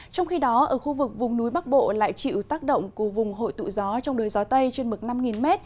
trong khi đó ở khu vực vùng núi bắc bộ lại chịu tác động của vùng hội tụ gió trong đời gió tây trên mực năm m